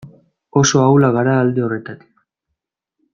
Oso ahulak gara alde horretatik.